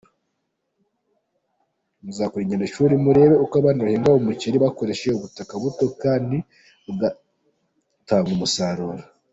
Muzakore ingendoshuri murebe uko abandi bahinga umuceri bakoresha ubutaka buto kandi bugatanga umusaruro.